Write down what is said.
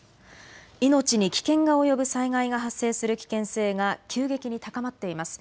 命に危険が及ぶ災害が発生する危険性が急激に高まっています。